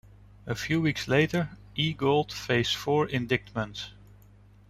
A few weeks later, E-Gold faced four indictments.